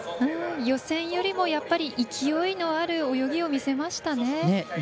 予選よりもやっぱり勢いのある泳ぎを見せましたね。